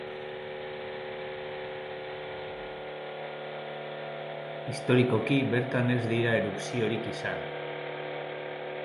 Historikoki bertan ez dira erupziorik izan.